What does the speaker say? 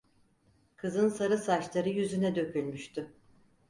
Kızın sarı saçları yüzüne dökülmüştü.